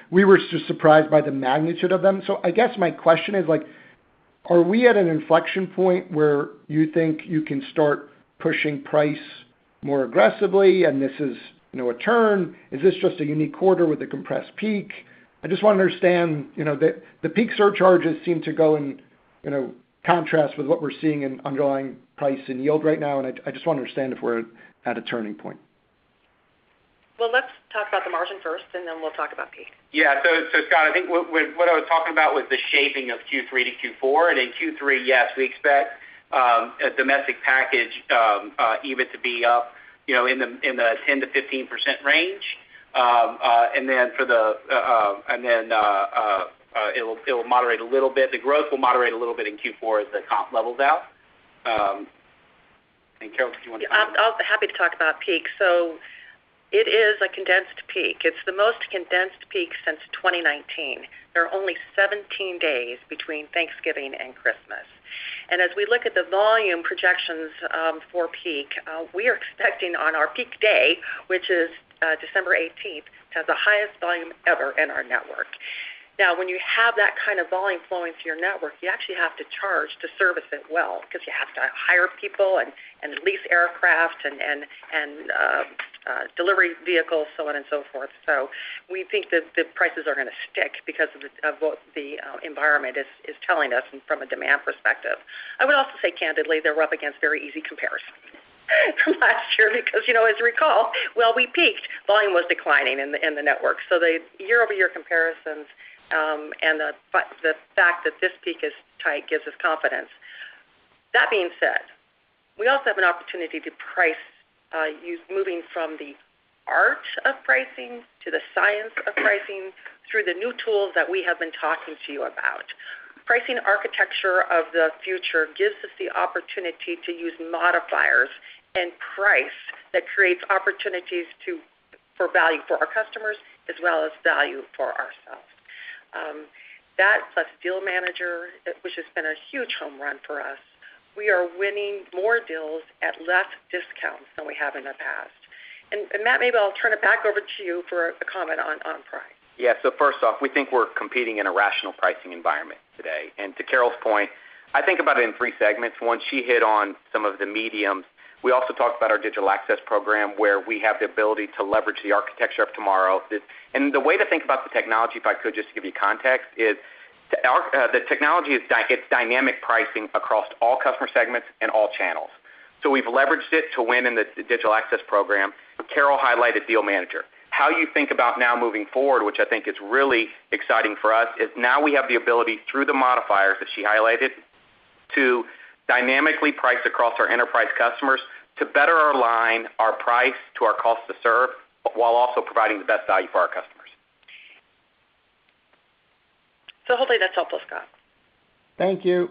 we were just surprised by the magnitude of them. So I guess my question is, like, are we at an inflection point where you think you can start pushing price more aggressively and this is, you know, a turn? Is this just a unique quarter with a compressed peak? I just wanna understand, you know, the peak surcharges seem to go in, you know, contrast with what we're seeing in underlying price and yield right now, and I just wanna understand if we're at a turning point. Well, let's talk about the margin first, and then we'll talk about peak. Yeah. So, Scott, I think what I was talking about was the shaping of Q3 to Q4. And in Q3, yes, we expect a domestic package EBIT to be up, you know, in the 10%-15% range. And then it'll moderate a little bit. The growth will moderate a little bit in Q4 as the comp levels out. And Carol, did you want to- I'm happy to talk about peak. So it is a condensed peak. It's the most condensed peak since 2019. There are only 17 days between Thanksgiving and Christmas. And as we look at the volume projections, for peak, we are expecting on our peak day, which is December 18th, to have the highest volume ever in our network. Now, when you have that kind of volume flowing through your network, you actually have to charge to service it well, 'cause you have to hire people and lease aircraft and delivery vehicles, so on and so forth. So we think that the prices are gonna stick because of what the environment is telling us from a demand perspective. I would also say candidly, they're up against very easy comparison from last year, because, you know, as you recall, well, we peaked. Volume was declining in the network. So the year-over-year comparisons, and the fact that this peak is tight gives us confidence. That being said, we also have an opportunity to price, use moving from the art of pricing to the science of pricing through the new tools that we have been talking to you about. Pricing Architecture of the Future gives us the opportunity to use modifiers and price that creates opportunities to, for value for our customers as well as value for ourselves. That plus Deal Manager, which has been a huge home run for us, we are winning more deals at less discounts than we have in the past. And Matt, maybe I'll turn it back over to you for a comment on price. Yeah. So first off, we think we're competing in a rational pricing environment today. And to Carol's point, I think about it in three segments. One, she hit on some of the mediums. We also talked about our Digital Access Program, where we have the ability to leverage the architecture of tomorrow. And the way to think about the technology, if I could just give you context, is it's dynamic pricing across all customer segments and all channels. So we've leveraged it to win in the Digital Access Program. Carol highlighted Deal Manager. How you think about now moving forward, which I think is really exciting for us, is now we have the ability, through the modifiers that she highlighted, to dynamically price across our enterprise customers to better align our price to our cost to serve, while also providing the best value for our customers. Hopefully that's helpful, Scott. Thank you.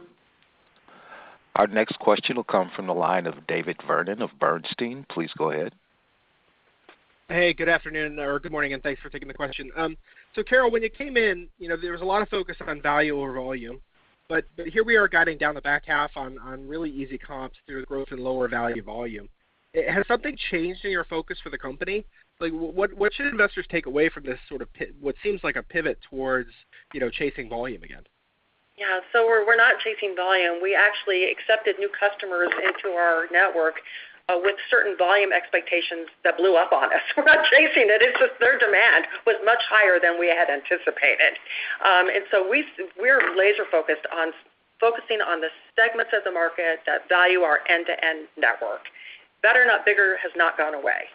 Our next question will come from the line of David Vernon of Bernstein. Please go ahead. Hey, good afternoon or good morning, and thanks for taking the question. So Carol, when you came in, you know, there was a lot of focus on value over volume, but, but here we are guiding down the back half on, on really easy comps through growth and lower value volume. Has something changed in your focus for the company? Like, what, what should investors take away from this sort of what seems like a pivot towards, you know, chasing volume again? Yeah, so we're not chasing volume. We actually accepted new customers into our network with certain volume expectations that blew up on us. We're not chasing it; it's just their demand was much higher than we had anticipated. And so we're laser focused on focusing on the segments of the market that value our end-to-end network. Better not Bigger, has not gone away.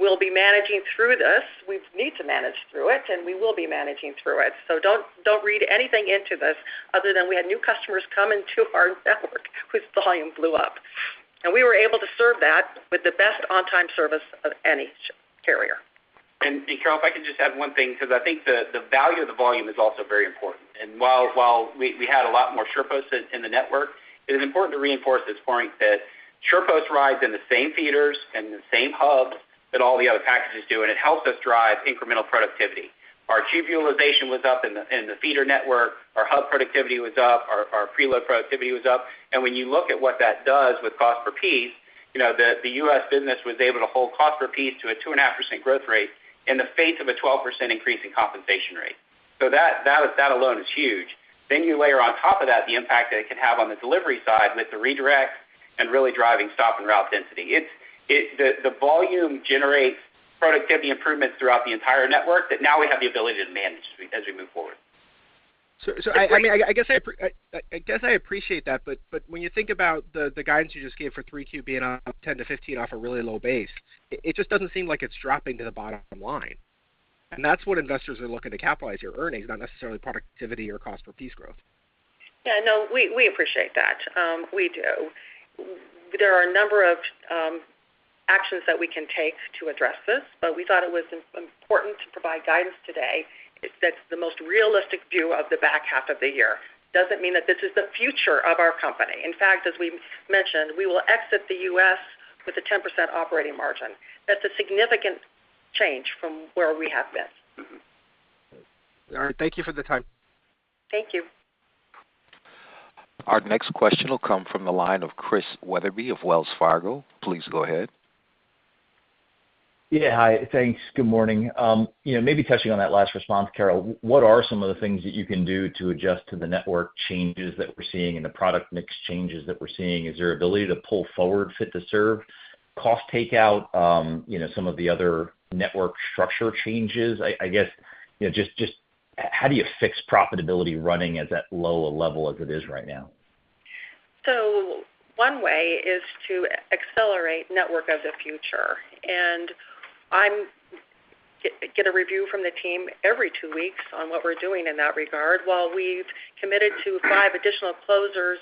We'll be managing through this. We need to manage through it, and we will be managing through it. So don't read anything into this other than we had new customers come into our network, whose volume blew up. And we were able to serve that with the best on-time service of any carrier. Carol, if I could just add one thing, because I think the value of the volume is also very important. While we had a lot more SurePost in the network, it is important to reinforce this point that SurePost rides in the same feeders and the same hubs that all the other packages do, and it helps us drive incremental productivity. Our cube utilization was up in the feeder network, our hub productivity was up, our preload productivity was up. When you look at what that does with cost per piece, you know, the U.S. business was able to hold cost per piece to a 2.5% growth rate in the face of a 12% increase in compensation rate. So that alone is huge. Then you layer on top of that the impact that it can have on the delivery side with the redirect and really driving stop and route density. It's the volume generates productivity improvements throughout the entire network that now we have the ability to manage as we move forward. So, I mean, I guess I appreciate that, but when you think about the guidance you just gave for Q3 being up 10%-15% off a really low base, it just doesn't seem like it's dropping to the bottom line. And that's what investors are looking to capitalize your earnings, not necessarily productivity or cost per piece growth. Yeah, no, we, we appreciate that. We do. There are a number of actions that we can take to address this, but we thought it was important to provide guidance today that's the most realistic view of the back half of the year. Doesn't mean that this is the future of our company. In fact, as we mentioned, we will exit the U.S. with a 10% operating margin. That's a significant change from where we have been. Mm-hmm. All right. Thank you for the time. Thank you. Our next question will come from the line of Chris Wetherbee of Wells Fargo. Please go ahead. Yeah. Hi, thanks. Good morning. You know, maybe touching on that last response, Carol, what are some of the things that you can do to adjust to the network changes that we're seeing and the product mix changes that we're seeing? Is there ability to pull forward Fit to Serve, cost takeout, you know, some of the other network structure changes? I guess, you know, just how do you fix profitability running at that low a level as it is right now? So one way is to accelerate Network of the Future, and I'm getting a review from the team every two weeks on what we're doing in that regard. While we've committed to five additional closures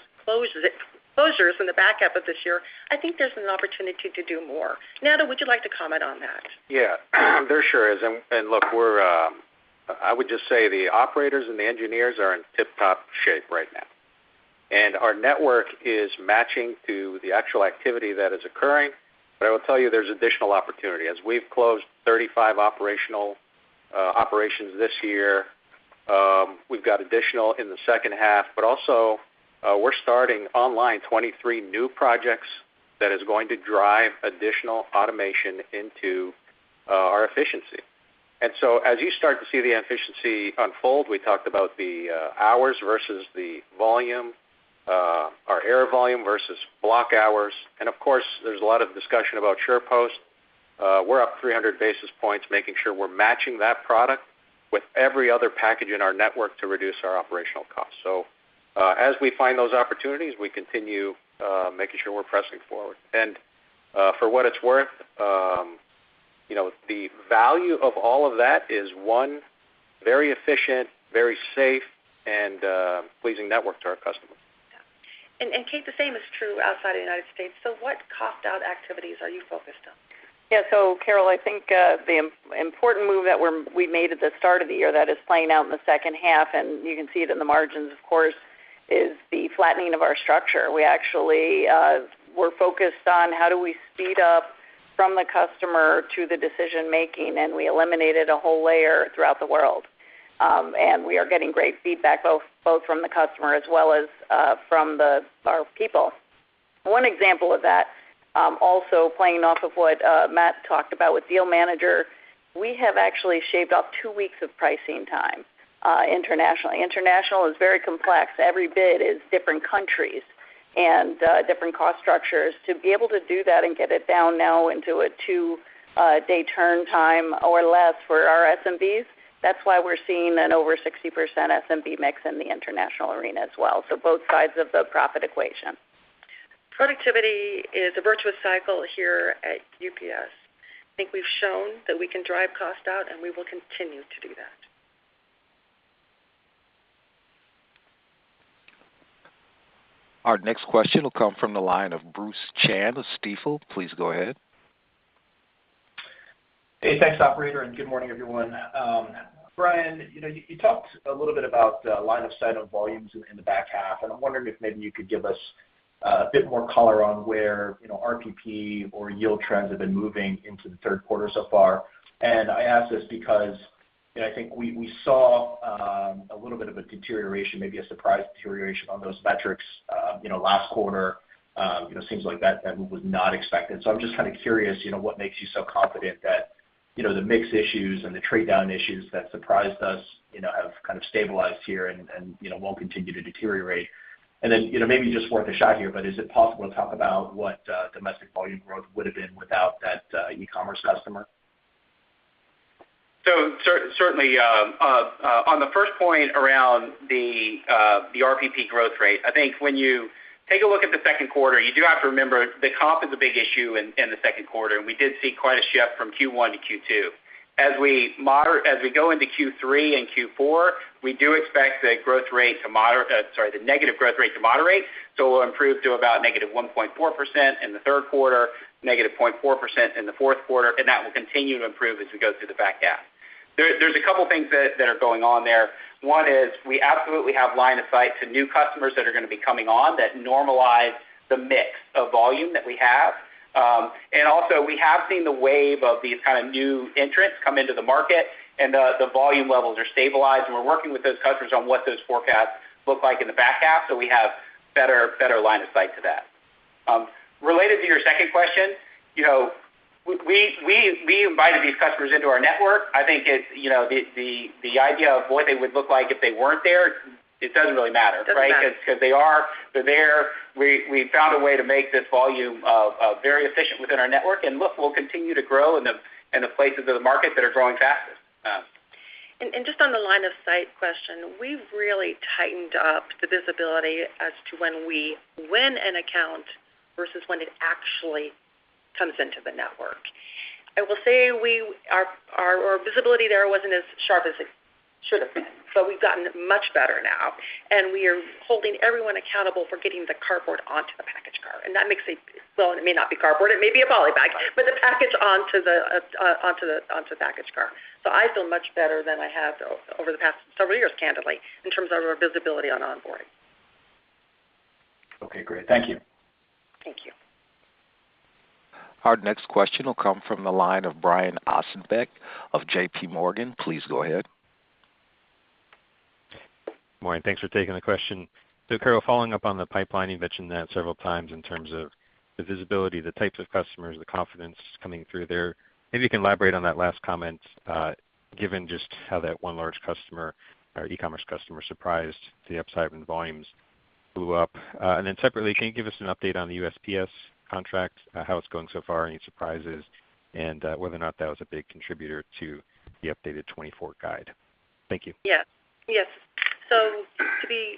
in the back half of this year, I think there's an opportunity to do more. Nando, would you like to comment on that? Yeah, there sure is. And, and look, we're... I would just say the operators and the engineers are in tip-top shape right now. And our network is matching to the actual activity that is occurring. But I will tell you there's additional opportunity. As we've closed 35 operational operations this year, we've got additional in the second half, but also, we're starting online 23 new projects that is going to drive additional automation into our efficiency. And so as you start to see the efficiency unfold, we talked about the hours versus the volume, our air volume versus block hours. And of course, there's a lot of discussion about SurePost. We're up 300 basis points, making sure we're matching that product with every other package in our network to reduce our operational costs. So, as we find those opportunities, we continue making sure we're pressing forward. And, for what it's worth,... you know, the value of all of that is one very efficient, very safe, and pleasing network to our customers. Yeah. And Kate, the same is true outside of the United States. So what cost out activities are you focused on? Yeah. So, Carol, I think, the important move that we made at the start of the year that is playing out in the second half, and you can see it in the margins, of course, is the flattening of our structure. We actually, we're focused on how do we speed up from the customer to the decision making, and we eliminated a whole layer throughout the world. And we are getting great feedback, both from the customer as well as from our people. One example of that, also playing off of what Matt talked about with Deal Manager, we have actually shaved off two weeks of pricing time, internationally. International is very complex. Every bid is different countries and different cost structures. To be able to do that and get it down now into a two-day turn time or less for our SMBs, that's why we're seeing an over 60% SMB mix in the international arena as well, so both sides of the profit equation. Productivity is a virtuous cycle here at UPS. I think we've shown that we can drive cost out, and we will continue to do that. Our next question will come from the line of Bruce Chan of Stifel. Please go ahead. Hey, thanks, operator, and good morning, everyone. Brian, you know, you talked a little bit about the line of sight on volumes in the back half, and I'm wondering if maybe you could give us a bit more color on where, you know, RPP or yield trends have been moving into the third quarter so far. And I ask this because, you know, I think we saw a little bit of a deterioration, maybe a surprise deterioration on those metrics, you know, last quarter. You know, seems like that was not expected. So I'm just kind of curious, you know, what makes you so confident that, you know, the mix issues and the trade down issues that surprised us, you know, have kind of stabilized here and you know, won't continue to deteriorate? You know, maybe just worth a shot here, but is it possible to talk about what domestic volume growth would have been without that e-commerce customer? So certainly, on the first point around the RPP growth rate, I think when you take a look at the second quarter, you do have to remember the comp is a big issue in the second quarter, and we did see quite a shift from Q1 to Q2. As we go into Q3 and Q4, we do expect the growth rate to moderate. Sorry, the negative growth rate to moderate. So we'll improve to about -1.4% in the third quarter, -0.4% in the fourth quarter, and that will continue to improve as we go through the back half. There's a couple things that are going on there. One is we absolutely have line of sight to new customers that are gonna be coming on that normalize the mix of volume that we have. And also, we have seen the wave of these kind of new entrants come into the market, and the volume levels are stabilized, and we're working with those customers on what those forecasts look like in the back half, so we have better, better line of sight to that. Related to your second question, you know, we invited these customers into our network. I think it's, you know, the idea of what they would look like if they weren't there, it doesn't really matter- Doesn't matter. Right? Because, because they are, they're there. We, we found a way to make this volume very efficient within our network, and look, we'll continue to grow in the, in the places of the market that are growing fastest. Just on the line of sight question, we've really tightened up the visibility as to when we win an account versus when it actually comes into the network. I will say our visibility there wasn't as sharp as it should have been, so we've gotten much better now, and we are holding everyone accountable for getting the cardboard onto the package car. And that makes a... Well, it may not be cardboard, it may be a poly bag, but the package onto the package car. So I feel much better than I have over the past several years, candidly, in terms of our visibility on onboarding. Okay, great. Thank you. Thank you. Our next question will come from the line of Brian Ossenbeck of JPMorgan. Please go ahead. Morning. Thanks for taking the question. So Carol, following up on the pipeline, you mentioned that several times in terms of the visibility, the types of customers, the confidence coming through there. Maybe you can elaborate on that last comment, given just how that one large customer or e-commerce customer surprised the upside when the volumes blew up. And then separately, can you give us an update on the USPS contract, how it's going so far, any surprises, and whether or not that was a big contributor to the updated 2024 guide? Thank you. Yeah. Yes. So to be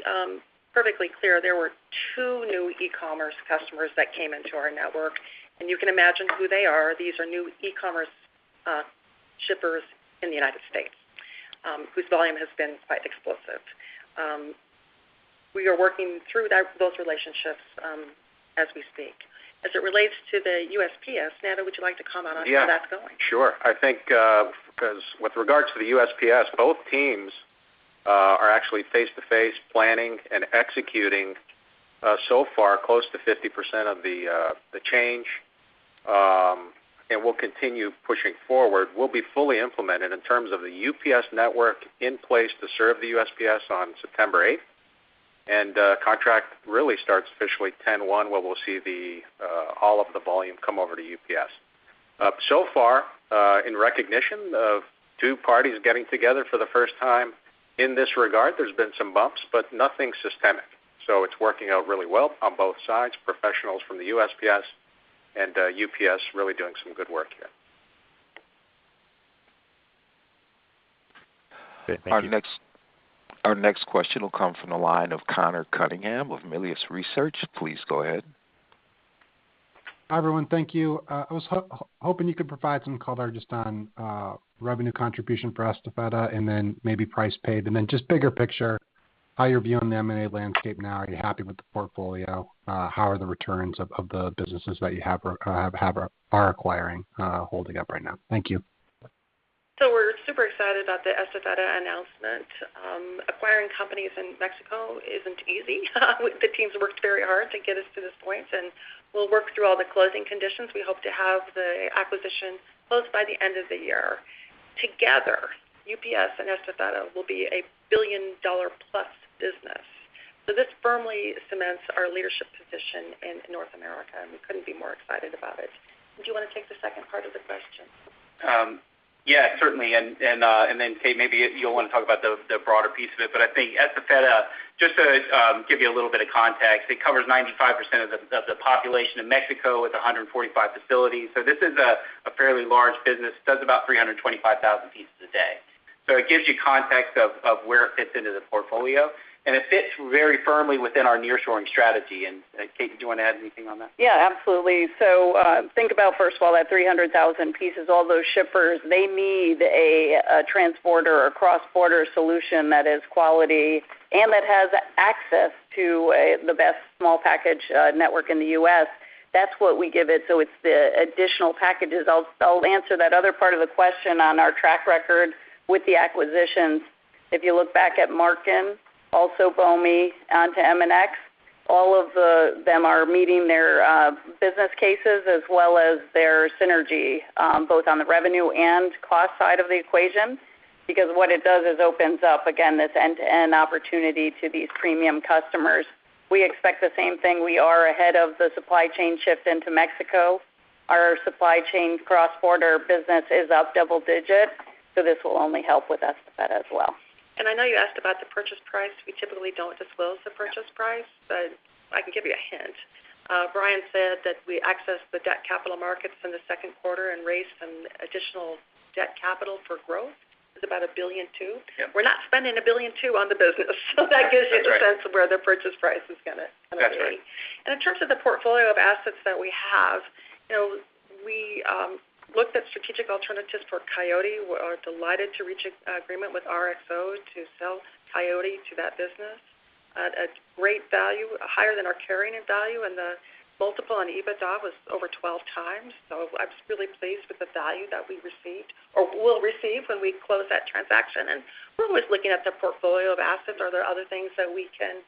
perfectly clear, there were two new e-commerce customers that came into our network, and you can imagine who they are. These are new e-commerce shippers in the United States, whose volume has been quite explosive. We are working through those relationships as we speak. As it relates to the USPS, Nando, would you like to comment on how that's going? Yeah, sure. I think, because with regards to the USPS, both teams are actually face-to-face planning and executing, so far close to 50% of the change, and we'll continue pushing forward. We'll be fully implemented in terms of the UPS network in place to serve the USPS on September eighth, and contract really starts officially 10/1, where we'll see all of the volume come over to UPS. So far, in recognition of two parties getting together for the first time in this regard, there's been some bumps, but nothing systemic. So it's working out really well on both sides. Professionals from the USPS and UPS really doing some good work here.... Our next question will come from the line of Connor Cunningham with Melius Research. Please go ahead. Hi, everyone. Thank you. I was hoping you could provide some color just on revenue contribution for Estafeta and then maybe price paid, and then just bigger picture, how you're viewing the M&A landscape now. Are you happy with the portfolio? How are the returns of the businesses that you have or are acquiring holding up right now? Thank you. So we're super excited about the Estafeta announcement. Acquiring companies in Mexico isn't easy. The teams worked very hard to get us to this point, and we'll work through all the closing conditions. We hope to have the acquisition closed by the end of the year. Together, UPS and Estafeta will be a billion-dollar-plus business. So this firmly cements our leadership position in North America, and we couldn't be more excited about it. Do you wanna take the second part of the question? Yeah, certainly. And then, Kate, maybe you'll want to talk about the broader piece of it. But I think Estafeta, just to give you a little bit of context, it covers 95% of the population of Mexico with 145 facilities. So this is a fairly large business, does about 325,000 pieces a day. So it gives you context of where it fits into the portfolio, and it fits very firmly within our nearshoring strategy. And, Kate, do you want to add anything on that? Yeah, absolutely. So, think about, first of all, that 300,000 pieces, all those shippers, they need a, a transporter or cross-border solution that is quality and that has access to, the best small package network in the U.S. That's what we give it, so it's the additional packages. I'll, I'll answer that other part of the question on our track record with the acquisitions. If you look back at Marken, also Bomi, on to MNX, all of them are meeting their, business cases as well as their synergy, both on the revenue and cost side of the equation. Because what it does is opens up, again, this end-to-end opportunity to these premium customers. We expect the same thing. We are ahead of the supply chain shift into Mexico. Our supply chain cross-border business is up double-digit, so this will only help with Estafeta as well. I know you asked about the purchase price. We typically don't disclose the purchase price, but I can give you a hint. Brian said that we accessed the debt capital markets in the second quarter and raised some additional debt capital for growth. It's about $1.2 billion. Yeah. We're not spending $1.2 billion on the business, so that gives you- Right, right. A sense of where the purchase price is gonna come in. That's right. In terms of the portfolio of assets that we have, you know, we looked at strategic alternatives for Coyote. We are delighted to reach an agreement with RXO to sell Coyote to that business at a great value, higher than our carrying value, and the multiple on EBITDA was over 12x. So I'm just really pleased with the value that we received or will receive when we close that transaction, and we're always looking at the portfolio of assets. Are there other things that we can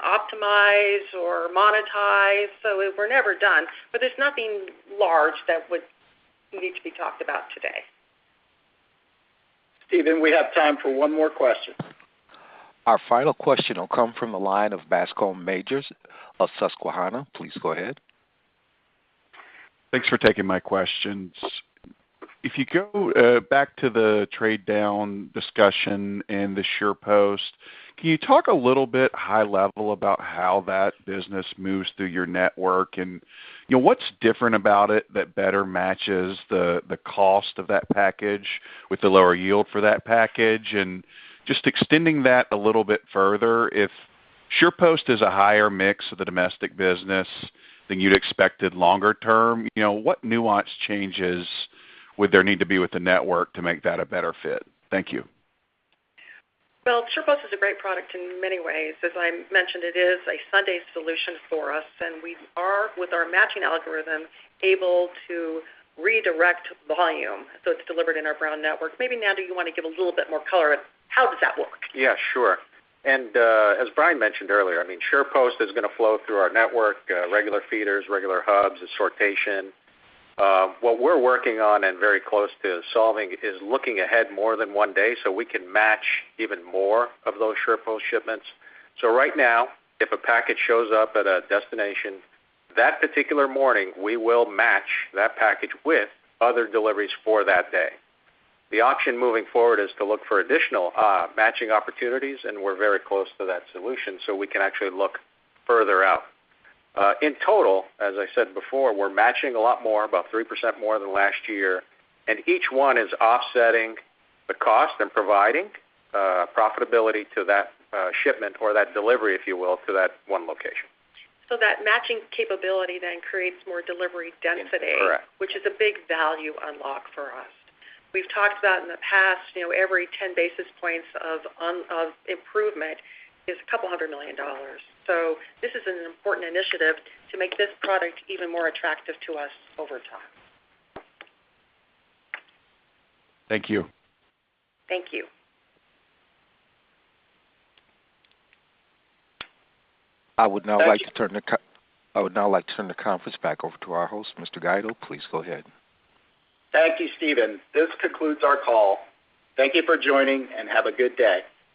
optimize or monetize? So we're never done, but there's nothing large that would need to be talked about today. Steven, we have time for one more question. Our final question will come from the line of Bascome Majors of Susquehanna. Please go ahead. Thanks for taking my questions. If you go back to the trade down discussion and the SurePost, can you talk a little bit high level about how that business moves through your network? And, you know, what's different about it that better matches the cost of that package with the lower yield for that package? And just extending that a little bit further, if SurePost is a higher mix of the domestic business than you'd expected longer term, you know, what nuance changes would there need to be with the network to make that a better fit? Thank you. Well, SurePost is a great product in many ways. As I mentioned, it is a Sunday solution for us, and we are, with our matching algorithm, able to redirect volume, so it's delivered in our ground network. Maybe, Nando, you want to give a little bit more color on how does that work? Yeah, sure. And, as Brian mentioned earlier, I mean, SurePost is gonna flow through our network, regular feeders, regular hubs, and sortation. What we're working on, and very close to solving, is looking ahead more than one day, so we can match even more of those SurePost shipments. So right now, if a package shows up at a destination that particular morning, we will match that package with other deliveries for that day. The option moving forward is to look for additional, matching opportunities, and we're very close to that solution, so we can actually look further out. In total, as I said before, we're matching a lot more, about 3% more than last year, and each one is offsetting the cost and providing profitability to that shipment or that delivery, if you will, to that one location. That matching capability then creates more delivery density- Correct. which is a big value unlock for us. We've talked about in the past, you know, every ten basis points of improvement is a couple hundred million dollars. So this is an important initiative to make this product even more attractive to us over time. Thank you. Thank you. I would now like to turn the conference back over to our host, Mr. Guido. Please go ahead. Thank you, Steven. This concludes our call. Thank you for joining, and have a good day.